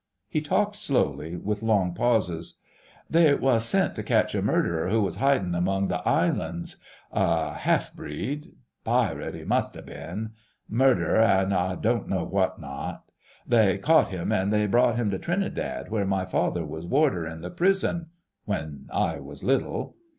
He talked slowly, with long pauses. "They was sent to catch a murderer who was hidin' among the islands—a half breed: pirate he must ha' been ... murderer an' I don't know what not.... They caught him an' they brought him to Trinidad where my father was warder in the prison ... when I was little...."